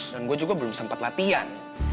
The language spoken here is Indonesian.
dan gue juga belum sempat latihan